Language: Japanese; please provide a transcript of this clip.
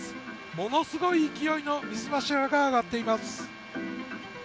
ものすごい勢いの水柱が上がっています。